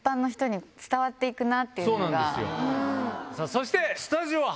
そして。